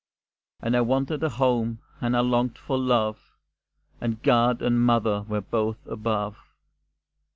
And I wanted a home, and I longed for love, And God and mother were both above.